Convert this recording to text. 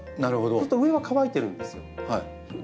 そうすると上は乾いてるんですよ。